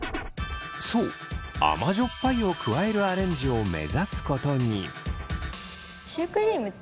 そうあまじょっぱいを加えるアレンジを目指すことに。